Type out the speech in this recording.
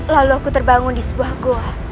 lalu aku terbangun di sebuah gua